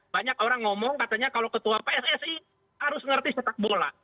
banyak orang ngomong katanya kalau ketua pssi harus mengerti sepak bola